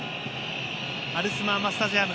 アルスマーマスタジアム。